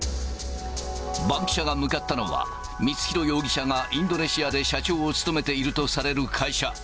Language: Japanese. バンキシャが向かったのは、光弘容疑者がインドネシアで社長を務めているとされる会社。